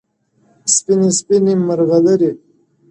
سپیني سپیني مرغلري!